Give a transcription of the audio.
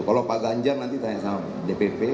kalau pak ganjar nanti tanya sama dpp